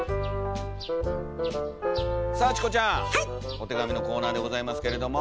お手紙のコーナーでございますけれども。